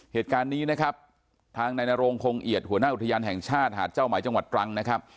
เหตุการณ์นี้นะครับทางนายนโรงคงเอียดหัวหน้าอุทยานแห่งชาติหาดเจ้าไหมจังหวัดตรังนะครับ